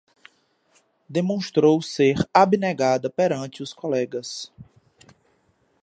Demonstrou ser abnegada perante os colegas